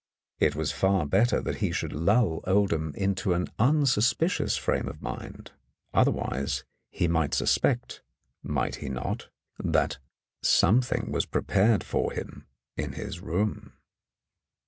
It was far better that he should lull Oldham into an unsuspicious frame of mind; otherwise he might sus pect, might he not, that something was prepared for 119 In the Dark him in his room